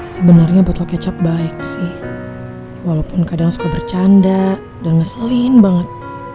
sebenarnya botol kecap baik sih walaupun kadang suka bercanda dan ngeselin banget